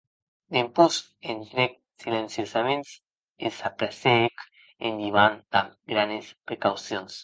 Dempús entrèc silenciosaments e s’apressèc en divan damb granes precaucions.